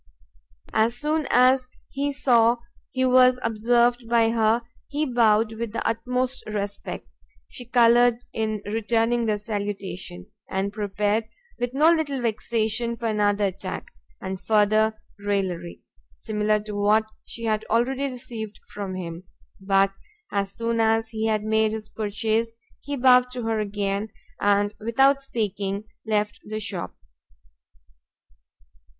As soon as he saw he was observed by her, he bowed with the utmost respect: she coloured in returning the salutation, and prepared, with no little vexation, for another attack, and further [raillery], similar to what she had already received from him: but, as soon as he had made his purchase, he bowed to her again, and, without speaking, left the shop.